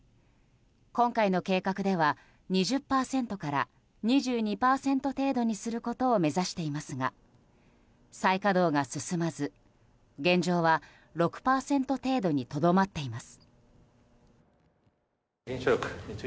今回の計画では２０％から２２％程度にすることを目指していますが再稼働が進まず現状は６％程度にとどまっています。